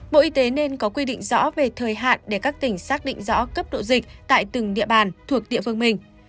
bộ y tế nên có quy định rõ về thời hạn để các tỉnh xác định rõ cấp độ dịch tại từng địa bàn thuộc địa phương mình